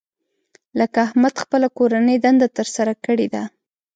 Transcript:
لکه احمد خپله کورنۍ دنده تر سره کړې ده.